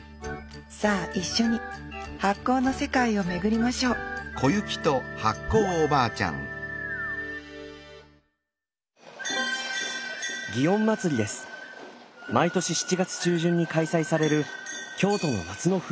さあ一緒に発酵の世界を巡りましょう毎年７月中旬に開催される京都の夏の風物詩です。